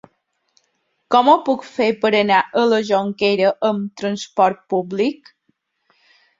Com ho puc fer per anar a la Jonquera amb trasport públic?